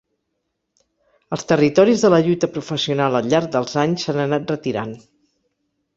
Els territoris de la lluita professional al llarg dels anys s'han anat retirant.